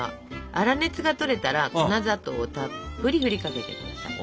粗熱がとれたら粉砂糖をたっぷり振りかけてくださいな。